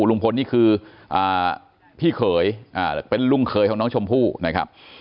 ลุงพลนี่คือพี่เขยเป็นลุงเขยของน้องชมพู่นะครับ